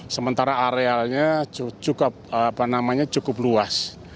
sementara arealnya cukup luas